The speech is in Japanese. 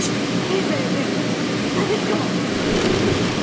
経済を勉強するって大切かも。